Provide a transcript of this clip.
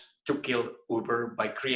tetapi uber sendiri